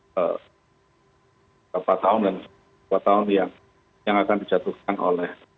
beberapa tahun dan dua tahun yang akan dijatuhkan oleh